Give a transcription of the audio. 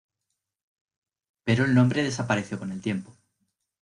Pero el nombre desapareció con el tiempo.